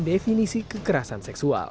definisi kekerasan seksual